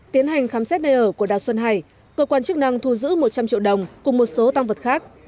tiến hành khám xét nơi ở của đào xuân hải cơ quan chức năng thu giữ một trăm linh triệu đồng cùng một số tăng vật khác